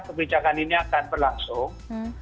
kebijakan ini akan berlangsung